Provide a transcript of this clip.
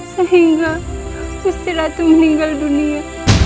sehingga istirahat meninggal dunia